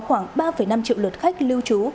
khoảng ba năm triệu lượt khách lưu trú